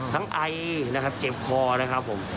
ไอนะครับเจ็บคอนะครับผม